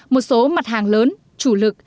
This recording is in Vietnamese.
một số mặt hàng lớn chủ lực